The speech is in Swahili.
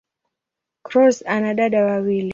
Cross ana dada wawili.